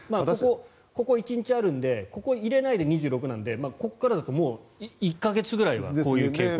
ここ、１日あるのでここを入れないで２６日なのでここからだともう１か月ぐらいはこの傾向。